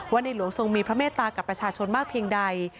ในหลวงทรงมีพระเมตตากับประชาชนมากเพียงใด